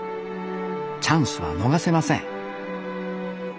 チャンスは逃せません